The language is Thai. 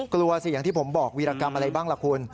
กลัวสิอย่างที่ผมบอกวีรกรรมอะไรบ้างล่ะคุณ